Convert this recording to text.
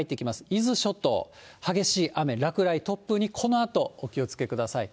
伊豆諸島、激しい雨、落雷、突風にこのあと、お気をつけください。